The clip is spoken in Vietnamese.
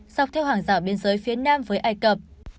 dọc theo hàng rào biên giới phía nam với ai cập